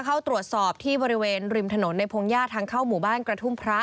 เข้าตรวจสอบที่บริเวณริมถนนในพงหญ้าทางเข้าหมู่บ้านกระทุ่มพระ